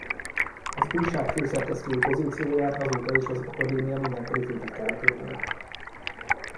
Az újság főszerkesztői pozícióját azóta is az Akadémia mindenkori főtitkára tölti be.